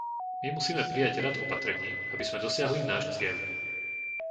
My musíme prijať rad opatrení, aby sme dosiahli náš cieľ.